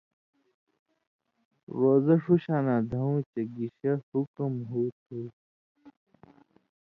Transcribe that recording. روزہ سو شاناں دھؤں تُھو گِشے حُکم ہُو تُھو